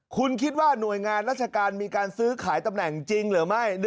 คุณคิดว่าหน่วยงานราชการมีการซื้อขายตำแหน่งจริงหรือไม่